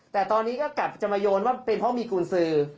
แต่ตอนนี้ก็กลับจะมาโยนว่าเป็นเพราะมีกุญสือ